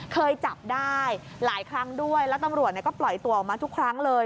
เคยจับได้หลายครั้งด้วยแล้วตำรวจก็ปล่อยตัวออกมาทุกครั้งเลย